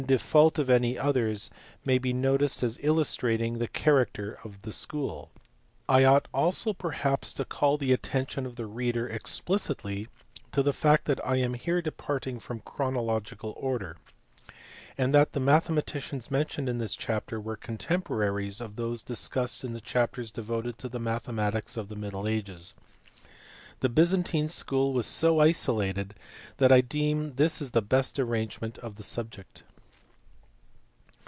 default of any others they may be noticed as illustrating the character of the school. I ought also perhaps to call the attention of the reader explicitly to the fact that I am here departing from chronological order, and that the mathematicians mentioned in this chapter were contemporaries of those discussed in the chapters devoted to the mathematics of the middle ages. The Byzantine school was so isolated that I deem this the best arrangement of the subject.